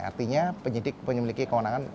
artinya penyidik penyemiliki kewenangan